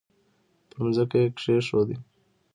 پر مځکه یې کښېږده!